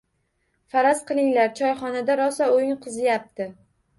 Faraz qilinglar, choyxonada rosa "o‘yin qiziyapti".